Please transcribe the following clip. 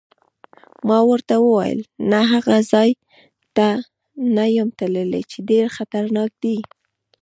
ما ورته وویل: نه، هغه ځای ته نه یم تللی چې ډېر خطرناک دی.